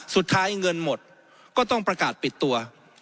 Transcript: สุดท้ายเงินหมดก็ต้องประกาศปิดตัว